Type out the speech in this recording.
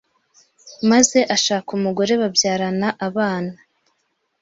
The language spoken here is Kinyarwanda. maze ashaka umugore babyarana abana